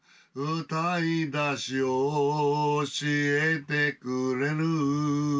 「唄いだし教えてくれる」